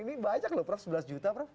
ini banyak loh prof sebelas juta prof